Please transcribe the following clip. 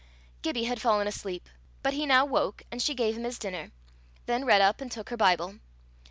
Gibbie had fallen asleep, but he now woke and she gave him his dinner; then redd up, and took her Bible.